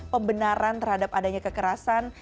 pembenaran terhadap adanya kekerasan